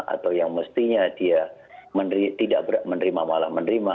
atau yang mestinya dia tidak menerima malah menerima